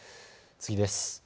次です。